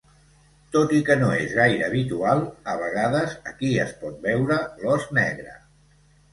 Tot i que no és gaire habitual, a vegades aquí es pot veure l'ós negre.